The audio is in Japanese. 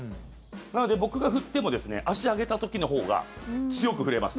なので、僕が振っても足上げた時のほうが強く振れます。